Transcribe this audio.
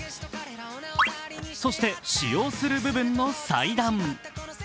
そして、使用する部分の裁断。